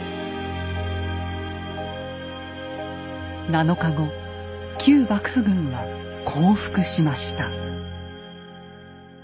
７日後旧幕府軍は降伏しました。